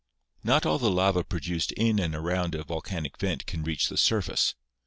Not all the lava produced in and around a volcanic vent can reach the surface.